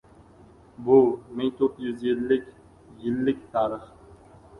Bu — ming to'rt yuz yillik yillik tarix.